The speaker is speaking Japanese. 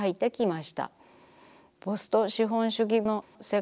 ポスト資本主義の世界